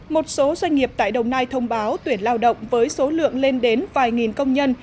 một số doanh nghiệp tại đồng nai thông báo tuyển lao động với số lượng lên đến vài nghìn công nhân